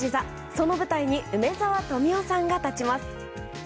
その舞台に梅沢富美男さんが立ちます。